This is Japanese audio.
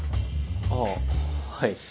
あぁはい。